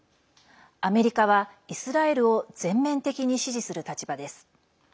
アメリカはイスラエルを全面的に支持する立場です。